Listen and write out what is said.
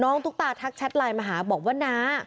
ตุ๊กตาทักแชทไลน์มาหาบอกว่าน้า